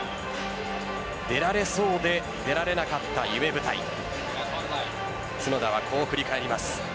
出られそうで出られなかった夢舞台角田はこう振り返ります。